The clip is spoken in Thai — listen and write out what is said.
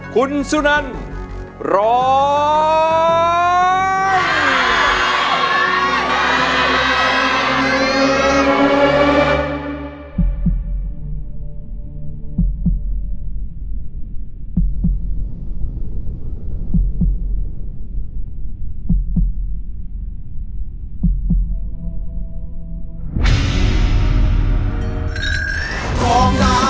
คุณสุนันร้อง